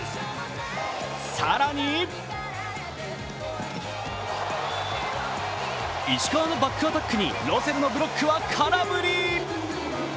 更に石川のバックアタックにロセルのブロックは空振り。